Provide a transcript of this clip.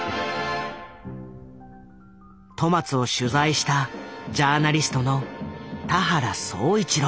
戸松を取材したジャーナリストの田原総一朗。